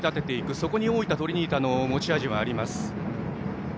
そこに大分トリニータの持ち味はあります。